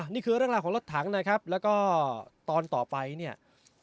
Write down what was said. นี่คือเรื่องราวของรถถังนะครับแล้วก็ตอนต่อไปเนี่ย